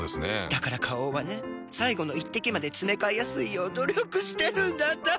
だから花王はね最後の一滴までつめかえやすいよう努力してるんだって。